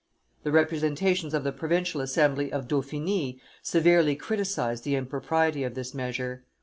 The representations of the provincial assembly of Dauphiny severely criticised the impropriety of this measure.